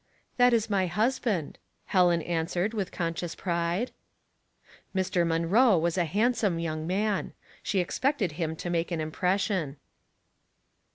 " That is my husband," Helen answered, with conscious pride. Mr. Munroe was a handsome young man — she expected him to make an impression.